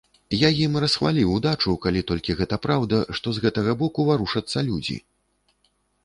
Я ім расхваліў удачу, калі толькі гэта праўда, што з гэтага боку варушацца людзі.